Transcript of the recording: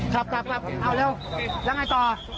กลับเอาเร็วยังไงต่อ